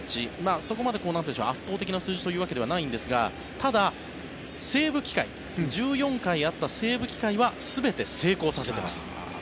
そこまで圧倒的な数字というわけではないんですがただ、１４回あったセーブ機会は全て成功させています。